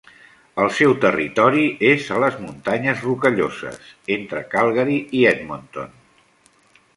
El seu territori és a les Muntanyes Rocalloses, entre Calgary i Edmonton.